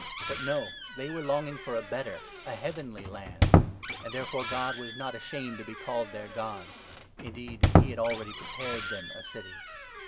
But no, they were longing for a better, a heavenly, land ! And therefore God was not ashamed to be called their God ; indeed he had already prepared them a city.